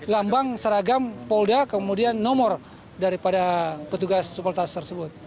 lambang seragam polda kemudian nomor daripada petugas sukultas tersebut